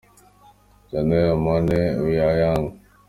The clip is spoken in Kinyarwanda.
Janelle Monáe – We Are Young.